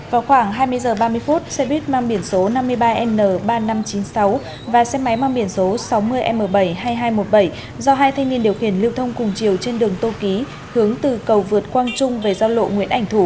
vào khoảng hai mươi h ba mươi phút xe buýt mang biển số năm mươi ba n ba nghìn năm trăm chín mươi sáu và xe máy mang biển số sáu mươi m bảy mươi hai nghìn hai trăm một mươi bảy do hai thanh niên điều khiển lưu thông cùng chiều trên đường tô ký hướng từ cầu vượt quang trung về giao lộ nguyễn ảnh thủ